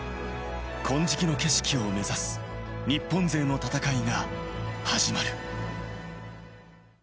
金色の景色を目指す日本勢の戦いが始まる。